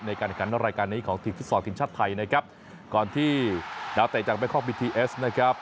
ในการขันรายการนี้ของทีมฟุตซอลทีมชาติไทยนะครับก่อนที่ดาวเตะจากแบคอกบีทีเอสนะครับ